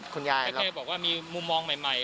แกบอกว่ามีมุมมองใหม่